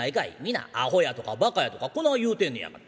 皆アホやとかバカやとかこない言うてんねやがな。